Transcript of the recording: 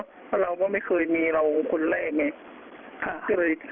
เพราะเราก็ไม่เคยมีเราคนแรกไง